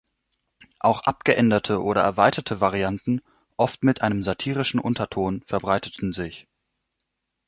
Auch abgeänderte oder erweiterte Varianten, oft mit einem satirischen Unterton, verbreiteten sich.